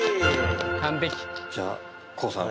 完璧じゃあＫＯＯさん